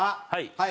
はい。